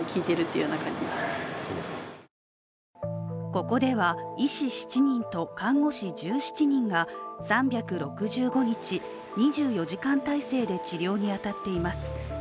ここでは医師７人と看護師１７人が３６５日２４時間体制で治療に当たっています。